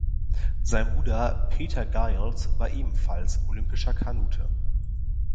Sein Bruder Peter Giles war ebenfalls olympischer Kanute.